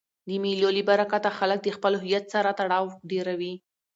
د مېلو له برکته خلک د خپل هویت سره تړاو ډېروي.